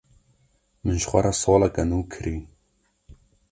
Min ji xwe re soleke nû kirî.